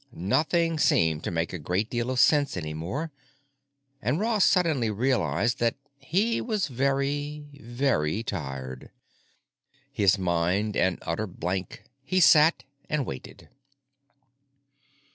Nothing seemed to make a great deal of sense any more; and Ross suddenly realized that he was very, very tired. His mind an utter blank, he sat and waited.